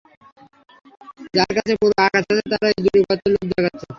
যার কাছে পুরো আকাশ আছে তাকে ইঁদুরের গর্তের লোভ দেখাচ্ছো?